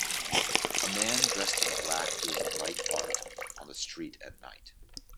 A man dressed in black doing light art on the street at night